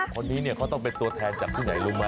คนนี้เนี่ยเขาต้องเป็นตัวแทนจากที่ไหนรู้ไหม